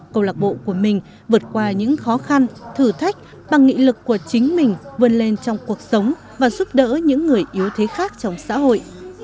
câu lạc bộ của mình vượt qua những khó khăn thử thách bằng nghị lực của chính mình vươn lên trong cuộc sống và giúp đỡ những người yếu thế khác trong xã hội